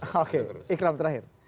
oke ikram terakhir